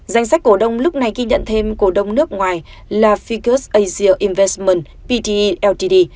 danh sách cổ đông lúc này ghi nhận thêm cổ đông nước ngoài là ficus asia investment pte ltd